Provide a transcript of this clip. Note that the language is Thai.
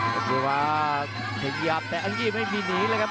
เพชรภาพยักษ์ขยับแต่อังกฤษไม่มีหนีเลยครับ